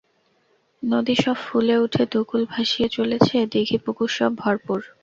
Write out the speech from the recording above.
নদী সব ফুলে উঠে দু-কূল ভাসিয়ে চলেছে, দীঘি-পুকুর সব ভরপুর।